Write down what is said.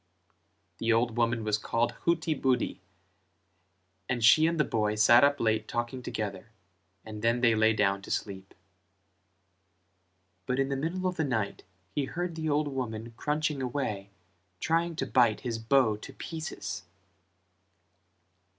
The old woman was called Hutibudi; and she and the boy sat up late talking together and then they lay down to sleep; but in the middle of the night he heard the old woman crunching away trying to bite his bow to pieces.